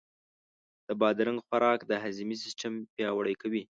د بادرنګ خوراک د هاضمې سیستم پیاوړی کوي.